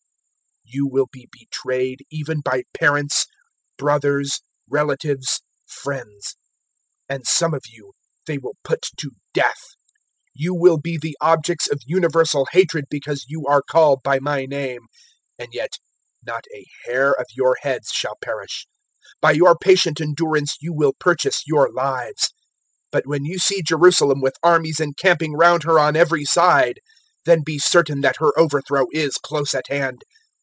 021:016 You will be betrayed even by parents, brothers, relatives, friends; and some of you they will put to death. 021:017 You will be the objects of universal hatred because you are called by my name; 021:018 and yet not a hair of your heads shall perish. 021:019 By your patient endurance you will purchase your lives. 021:020 "But when you see Jerusalem with armies encamping round her on every side, then be certain that her overthrow is close at hand.